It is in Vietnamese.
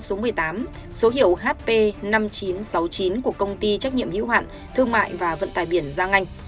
số một mươi tám số hiệu hp năm nghìn chín trăm sáu mươi chín của công ty trách nhiệm hữu hạn thương mại và vận tải biển giang anh